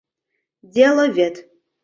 Деловед.